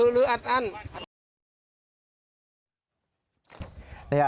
หรืออัดอั้น